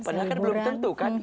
padahal kan belum tentu kan